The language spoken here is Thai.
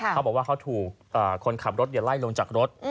เขาบอกว่าเขาถูกคนขับรถไล่ลงจากรถ